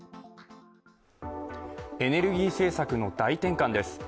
エネルギー政策の大転換です。